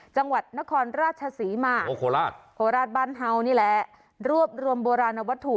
จังหวัดนครราชศรีมาโคราชโคราชบ้านเฮานี่แหละรวบรวมโบราณวัตถุ